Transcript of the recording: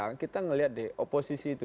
apakah kita bisa menjadi oposisi itu